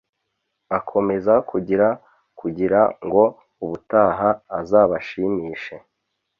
akomeza kugira kugira ngo ubutaha azabashimishe